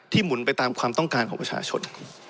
หมุนไปตามความต้องการของประชาชน